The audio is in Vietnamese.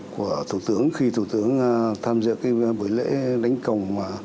của thủ tướng khi thủ tướng tham dự cái buổi lễ đánh cồng